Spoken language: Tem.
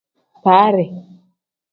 Baari.